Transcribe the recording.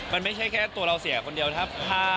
มันไม่ใช่แค่ตัวเราเสียคนเดียวถ้า